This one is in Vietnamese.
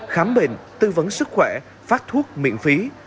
khám bệnh tư vấn sức khỏe phát thuốc miễn phí